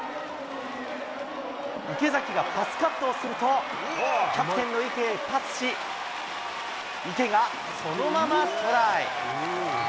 池崎がパスカットをすると、キャプテンの池へパスし、池がそのままトライ。